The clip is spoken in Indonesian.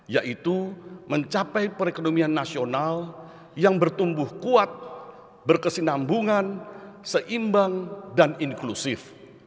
yaitu mencapai perekonomian nasional yang bertumbuh kuat berkesinambungan seimbang dan inklusif